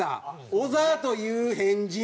「小沢という変人」。